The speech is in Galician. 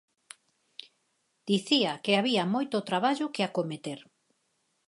Dicía que había moito traballo que acometer.